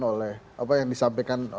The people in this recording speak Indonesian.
oleh apa yang disampaikan